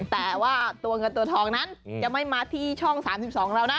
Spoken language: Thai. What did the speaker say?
แต่ว่าตัวเงินตัวทองนั้นจะไม่มาที่ช่อง๓๒เรานะ